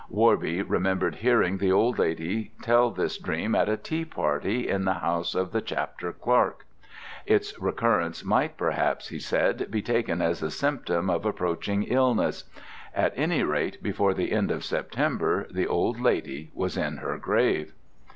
Worby remembered hearing the old lady tell this dream at a tea party in the house of the chapter clerk. Its recurrence might, perhaps, he said, be taken as a symptom of approaching illness; at any rate before the end of September the old lady was in her grave.